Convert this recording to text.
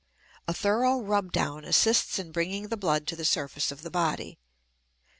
A thorough rub down assists in bringing the blood to the surface of the body.